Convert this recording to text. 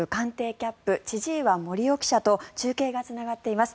キャップ千々岩森生記者と中継がつながっています。